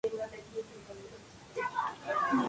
Era una línea de las más cortas.